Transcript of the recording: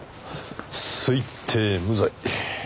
推定無罪。